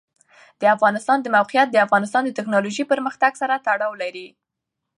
د افغانستان د موقعیت د افغانستان د تکنالوژۍ پرمختګ سره تړاو لري.